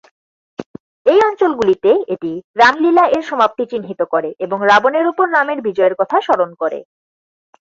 এই অঞ্চলগুলিতে এটি "রামলীলা"-এর সমাপ্তি চিহ্নিত করে এবং রাবণের উপর রামের বিজয়ের কথা স্মরণ করে।